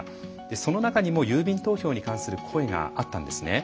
その中にも郵便投票に関する声があったんですね。